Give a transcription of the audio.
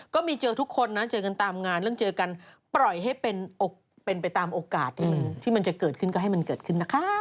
ก็มีเจอทุกคนนะเจอกันตามงานเรื่องเจอกันปล่อยให้เป็นไปตามโอกาสที่มันจะเกิดขึ้นก็ให้มันเกิดขึ้นนะคะ